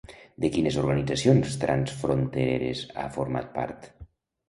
De quines organitzacions transfrontereres ha format part?